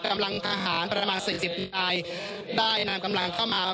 กำลังทหารประมาณ๔๐อัยได้นำกำลังเข้ามา